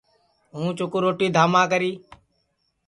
ہوں چکُو روٹی دھاما کری